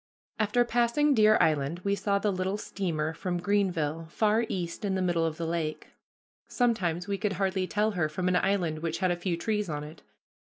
After passing Deer Island we saw the little steamer from Greenville, far east in the middle of the lake. Sometimes we could hardly tell her from an island which had a few trees on it.